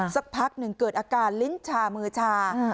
สักพักหนึ่งเกิดอาการลิ้นชามือชา